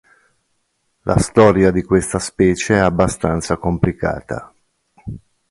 La storia di questa specie è abbastanza complicata.